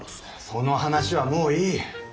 その話はもういい。